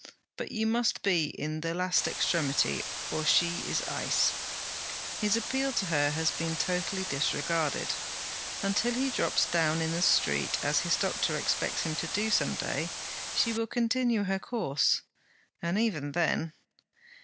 But you must be in the last extremity, or she is ice. His appeal to her has been totally disregarded. Until he drops down in the street, as his doctor expects him to do some day, she will continue her course; and even then...'